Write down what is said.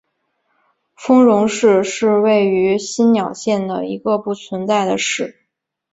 丰荣市是位于新舄县的一个已不存在的市。